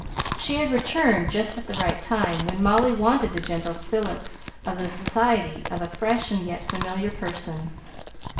She had returned just at the right time, when Molly wanted the gentle fillip of the society of a fresh and yet a familiar person.